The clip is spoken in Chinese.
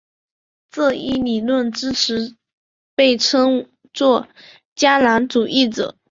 这一理论的支持者被称作迦南主义者。